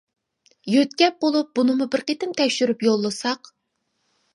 يۆتكەپ بولۇپ بۇنىمۇ بىر قېتىم تەكشۈرۈپ يوللىساق.